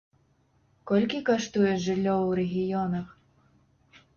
Колькі каштуе жыллё ў рэгіёнах?